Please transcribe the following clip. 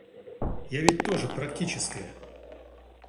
Я ведь тоже практическая.